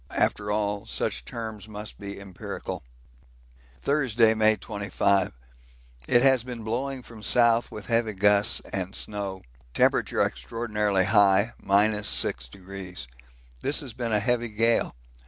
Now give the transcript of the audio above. After all, such terms must be empirical. Thursday, May 25. It has been blowing from south with heavy gusts and snow, temperature extraordinarily high, 6°. This has been a heavy gale.